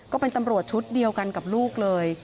ก็เป็นตำรวจชุดเดียวกันกับลูกเลย